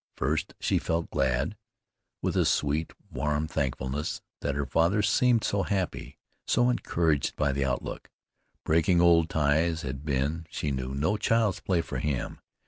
First she felt glad, with a sweet, warm thankfulness, that her father seemed so happy, so encouraged by the outlook. Breaking old ties had been, she knew, no child's play for him.